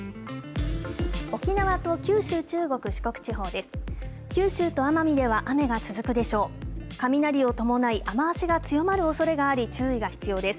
沖縄と九州、中国、四国地方です。